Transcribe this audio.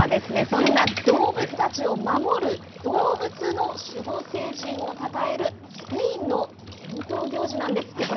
最後はそんな動物たちを守る動物の守護聖人をたたえるスペインの伝統行事なんですって、これ。